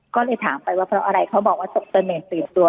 ก็เลยถามไปว่าเพราะอะไรเขาบอกว่าตกเสน่ห์ตื่นตัว